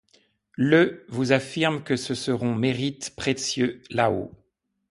Ie vous affirme que ce seront mérites prétieux là-hault.